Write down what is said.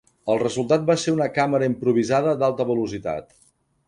El resultat va ser una càmera improvisada d'alta velocitat.